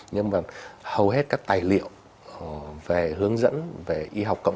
nhưng mà hầu hết các tài liệu về hướng dẫn